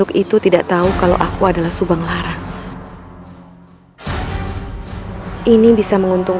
kau tidak akan menang